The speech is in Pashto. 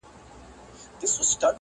علم ته تلکه سوه عقل لاري ورکي کړې-